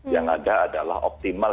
yang ada adalah optimal